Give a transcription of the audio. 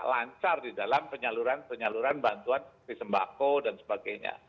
lancar di dalam penyaluran penyaluran bantuan seperti sembako dan sebagainya